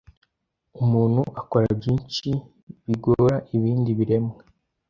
Umuntu akora byinshi bigora ibindi biremwa